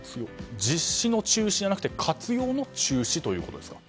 実施の中止じゃなくて活用の中止ということですか。